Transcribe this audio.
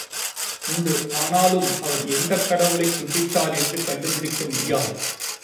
உண்டு ஆனாலும், அவர் எந்தக் கடவுளைக் கும்பிட்டார் என்று கண்டுபிடிக்க முடியாது.